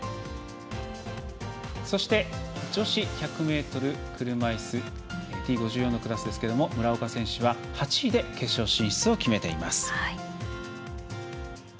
そして、女子１００ｍ車いすＴ５４のクラス村岡選手は８位で決勝進出を決めています。